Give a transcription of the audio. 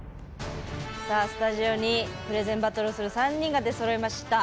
スタジオにプレゼンバトルする３人が出そろいました。